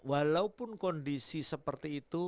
walaupun kondisi seperti itu